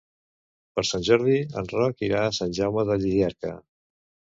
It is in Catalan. Per Sant Jordi en Roc irà a Sant Jaume de Llierca.